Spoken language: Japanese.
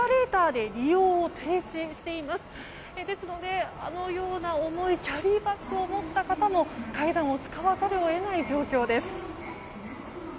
ですのであのような重いキャリバーグを持った方も階段を使わざるを得ない状況です。